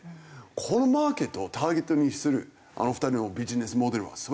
このマーケットをターゲットにするあの２人のビジネスモデルは素晴らしいと思いますよ。